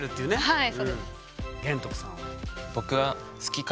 はい。